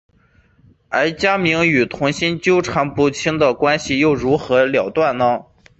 而家明与童昕纠缠不清的关系又如何了断呢？